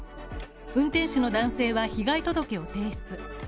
運転手の男性は被害届を提出。